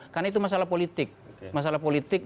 karena itu masalah politik masalah politik